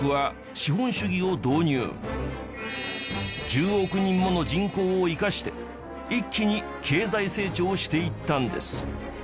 １０億人もの人口を生かして一気に経済成長していったんです